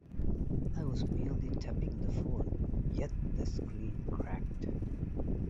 I was merely tapping the phone, yet the screen cracked.